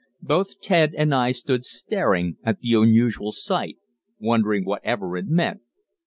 "Both Ted and I stood staring at the unusual sight, wondering whatever it meant.